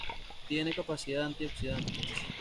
Tiene capacidad antioxidante.